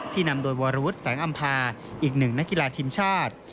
นำโดยวรวุฒิแสงอำภาอีกหนึ่งนักกีฬาทีมชาติ